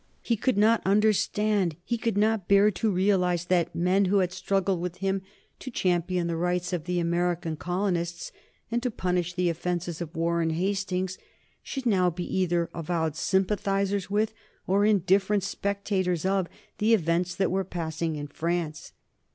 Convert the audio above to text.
He could not understand, he could not bear to realize that men who had struggled with him to champion the rights of the American colonists, and to punish the offences of Warren Hastings, should now be either avowed sympathizers with or indifferent spectators of the events that were passing in France.